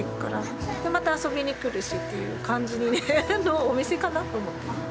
でまた遊びに来るしっていう感じのお店かなと思って。